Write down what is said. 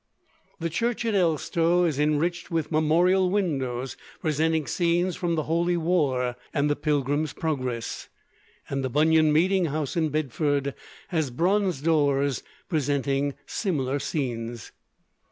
The church at Elstow is enriched with memorial windows presenting scenes from the 'Holy War' and the 'Pilgrim's Progress,' and the Bunyan Meeting House in Bedford has bronze doors presenting similar scenes.